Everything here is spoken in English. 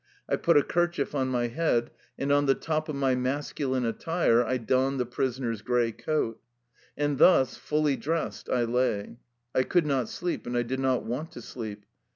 I put a kerchief on my head, and on the top of my masculine attire I donned the prisoner's gray coat. And thus, fully dressed, I lay. I could not sleep, and I did not want to sleep.